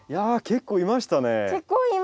結構いましたね。